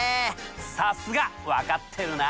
さすが分かってるな。